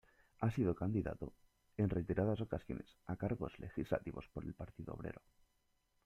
Ha sido candidato, en reiteradas ocasiones, a cargos legislativos por el Partido Obrero.